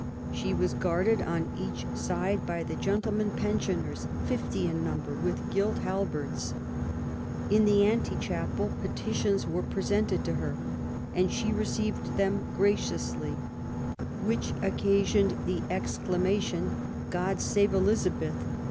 She was guarded on each side by the gentlemen pensioners, fifty in number, with gilt halberds. In the ante chapel petitions were presented to her, and she received them graciously, which occasioned the exclamation :* God save Elizabeth